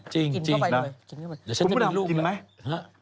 จริงนะเดี๋ยวฉันจะกินลูกแม่ละน้ำมันอาจกินไหม